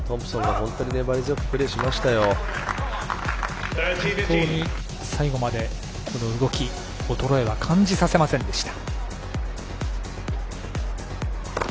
本当に最後までこの動き衰えは感じさせませんでした。